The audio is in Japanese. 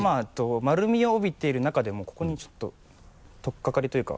丸みを帯びている中でもここにちょっととっかかりというか。